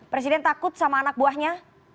presiden takut sama anak buahnya